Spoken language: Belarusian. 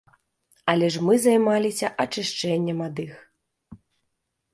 Але ж мы займаліся ачышчэннем ад іх.